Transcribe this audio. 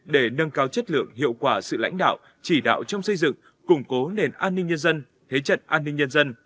để nâng cao chất lượng hiệu quả sự lãnh đạo chỉ đạo trong xây dựng củng cố nền an ninh nhân dân thế trận an ninh nhân dân